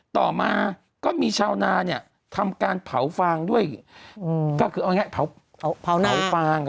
ต่อมาก็มีชาวนาเนี่ยทำการเผาฟางด้วยก็คือเอาง่ายเผาฟางอ่ะ